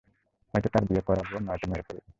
হয়তো তার বিয়ে করাবো নয়তো মেরে ফেলবো।